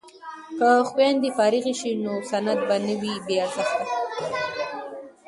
که خویندې فارغې شي نو سند به نه وي بې ارزښته.